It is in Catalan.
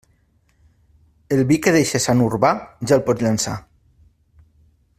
El vi que deixa Sant Urbà ja el pots llençar.